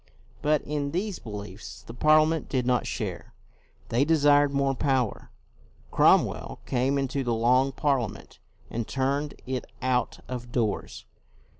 But in these beliefs the Parliament did not share. They desired more power. Cromwell came into the Long Parliament and turned it out of doors.